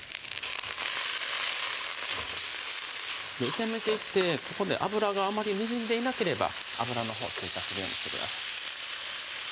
炒めていってここで油があまりにじんでいなければ油のほう追加するようにしてください